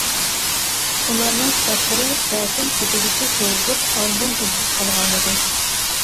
ئۇلارنىڭ سەپلىرى رەسىم چېتىگىچە سوزۇلۇپ، ئاندىن ئۈزۈلۈپ قالغانىدى.